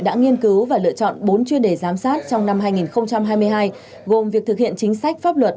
đã nghiên cứu và lựa chọn bốn chuyên đề giám sát trong năm hai nghìn hai mươi hai gồm việc thực hiện chính sách pháp luật